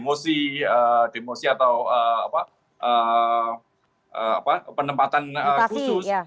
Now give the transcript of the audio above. ini disangsi demosi atau penempatan khusus